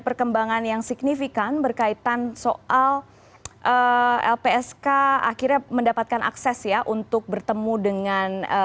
perkembangan yang signifikan berkaitan soal lpsk akhirnya mendapatkan akses ya untuk bertemu dengan